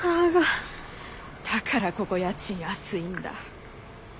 だからここ家賃安いんだ。